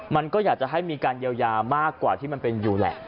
มันก็อยากจะให้มีการเยียวยามากกว่าที่มันเป็นอยู่แหละ